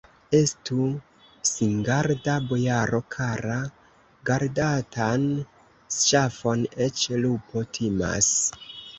Estu singarda, bojaro kara: gardatan ŝafon eĉ lupo timas!